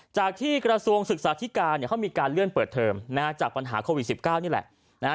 จากที่กระทรวงศึกษาธิกาเขามีการเลื่อนเปิดเทอมจากปัญหาโควิด๑๙นี่แหละ